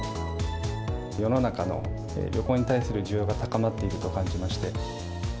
世の中の旅行に対する需要が高まっていると感じまして。